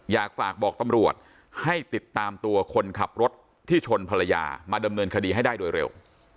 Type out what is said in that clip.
อยากฝากบอกตำรวจให้ติดตามตัวคนขับรถที่ชนภรรยามาดำเนินคดีให้ได้โดยเร็ว